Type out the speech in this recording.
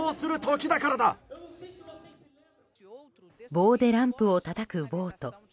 棒でランプをたたく暴徒。